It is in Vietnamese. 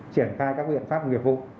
triển khai các biện pháp nghiệp vụ